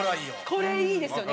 これいいですよね。